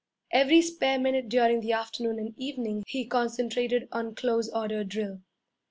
Every spare minute during the afternoon and evening he concentrated on close order drill.